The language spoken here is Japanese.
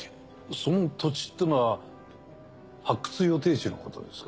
その土地ってのは発掘予定地のことですか？